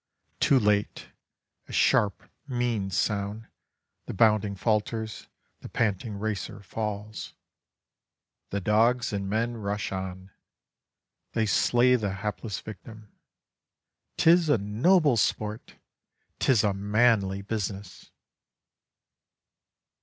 Too late! A sharp, mean sound, the bounding falters, the panting racer falls. The dogs and men rush on. They slay the hapless victim. 'Tis a noble sport! 'Tis a manly business!